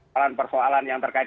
hal hal persoalan yang terkait